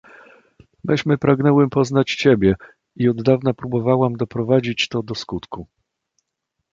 "Myśmy pragnęły poznać ciebie, i od dawna próbowałam doprowadzić to do skutku."